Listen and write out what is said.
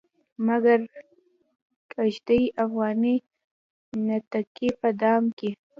مګر کښيږدي افغاني نتکۍ په دام کې